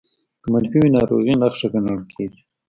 که منفي وي ناروغۍ نښه ګڼل کېږي